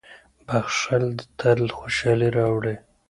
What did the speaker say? • بښل تل خوشالي راوړي.